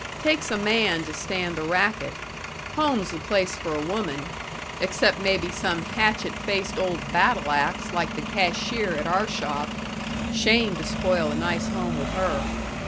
Takes a man to stand the racket. Home's the place for a woman, except maybe some hatchet faced old battle ax like the cashier at our shop. Shame to spoil a nice home with her.